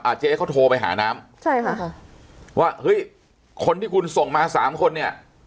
เจ๊เขาโทรไปหาน้ำใช่ค่ะค่ะว่าเฮ้ยคนที่คุณส่งมาสามคนเนี่ย